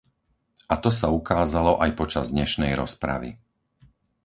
A to sa ukázalo aj počas dnešnej rozpravy.